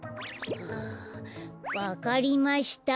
はあ「わかりました」